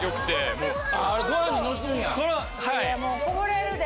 もうこぼれるで。